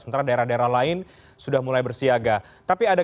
sementara daerah daerah lain sudah mulai bersiaga